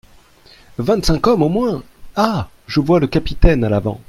Vingt-cinq hommes au moins ! Ah ! je vois le capitaine à l'avant.